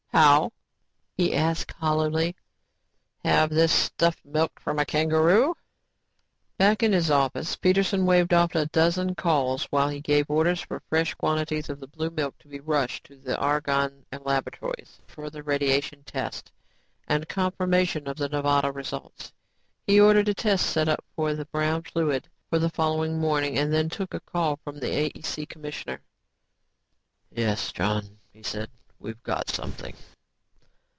"How?" he asked hollowly. "Have this stuff milked from a kangaroo?" Back in his office, Peterson waved off a dozen calls while he gave orders for fresh quantities of the blue milk to be rushed to the Argonne laboratories for further radiation tests and confirmation of the Nevada results. He ordered a test set up for the brown fluid for the following morning and then took a call from the AEC commissioner. "Yes, John," he said, "we've got something."